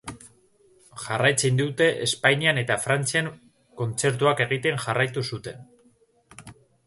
Jarraitzen dute Espainian eta Frantzian kontzertuak egiten jarraitu zuten.